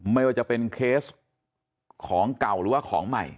ไม่ว่าจะเป็นเคสของเก่าหรือว่าของใหม่